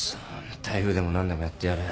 台風でも何でもやってやるよ。